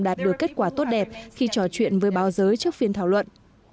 đạt được kết quả tốt đẹp khi trò chuyện với báo giới trước phiên thảo luận